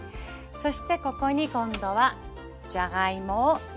そしてここに今度はじゃがいもを入れます。